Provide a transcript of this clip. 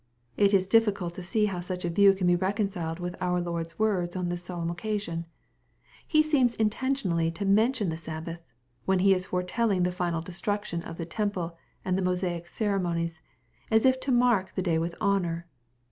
It is difficult to see how such a view can be reconciled with our Lord's words on this solemn occasion.) He seems intentionally to mention the Sabbath, whence is fore telling the final destruction of the temple and the Mosaic ceremonies, as if to mark the day with honor.